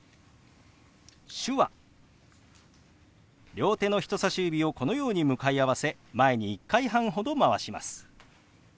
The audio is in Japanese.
両手の人さし指をこのように向かい合わせ前に１回半ほどまわします。